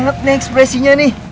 itu fungsi ku disini